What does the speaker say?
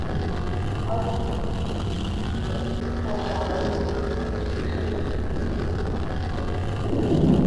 儿童与青少年精神医学或小儿精神医学是精神医学的一个分支。